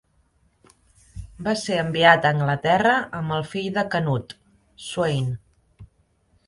Va ser enviat a Anglaterra amb el fill de Canut, Sweyn.